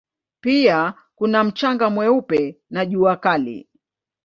Pia kuna mchanga mweupe na jua kali.